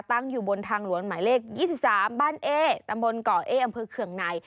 ตั้งอยู่บนทางหลวงหมายเลข๒๓บ้านเอ๊ตำบลก่อเอ๊อำเภอเคืองใน